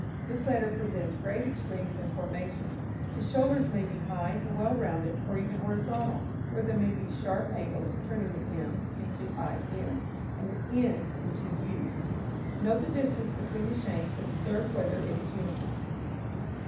This letter presents great extremes in formation. The shoulders may be high and well rounded, or even horizontal, or they may be sharp angles, turning the m into in, and the n into u. Note the distance between the shanks and observe whether it is uniform.